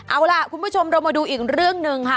เอาล่ะคุณผู้ชมเรามาดูอีกเรื่องหนึ่งค่ะ